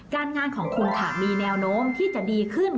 งานของคุณค่ะมีแนวโน้มที่จะดีขึ้น